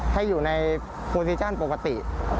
ให้อยู่ในโปรซิชั่นปกติ